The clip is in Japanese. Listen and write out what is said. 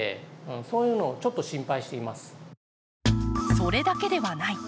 それだけではない。